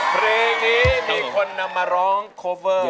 เพลงนี้มีคนนำมาร้องโคเวอร์